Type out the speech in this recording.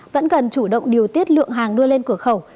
vẫn cần chủ động điều tiết lượng hàng đưa lên cửa khẩu